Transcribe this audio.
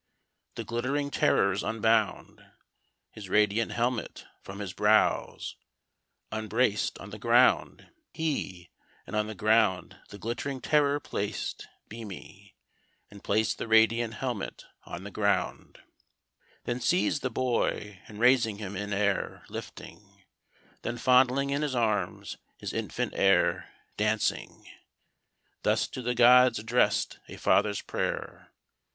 The glittering terrors unbound, His radiant helmet from his brows unbrac'd, on the ground, he And on the ground the glittering terror plac'd, beamy And placed the radiant helmet on the ground, Then seized the boy and raising him in air, lifting Then fondling in his arms his infant heir, dancing Thus to the gods addrest a father's prayer.